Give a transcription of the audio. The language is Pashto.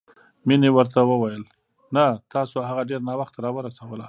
مينې ورته وويل نه، تاسو هغه ډېره ناوخته راورسوله.